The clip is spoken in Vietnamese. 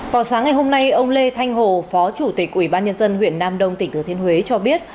vào sáng ngày hôm nay ông lê thanh hồ phó chủ tịch ủy ban nhân dân huyện nam đông tỉnh thừa thiên huế cho biết